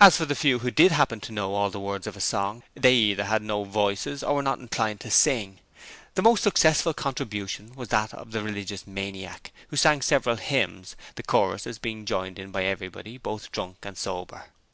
As for the few who did happen to know all the words of a song, they either had no voices or were not inclined to sing. The most successful contribution was that of the religious maniac, who sang several hymns, the choruses being joined in by everybody, both drunk and sober.